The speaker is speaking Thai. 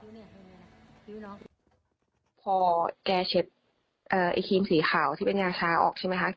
พอแกเช็ดไอ้ครีมสีขาวที่เป็นงาชาออกใช่ไหมคะ